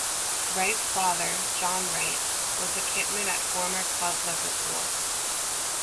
Wright's father, John Wright, was a kitman at former club Liverpool.